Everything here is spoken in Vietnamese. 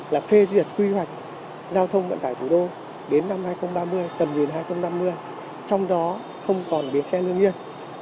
là phê duyệt quy hoạch giao thông vận tải thủ đô đến năm hai nghìn ba mươi tầm nhìn hai nghìn năm mươi trong đó không còn bến xe lương nhiên